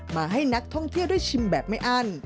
มาให้นักท่องเที่ยวได้ชิมแบบไม่อั้น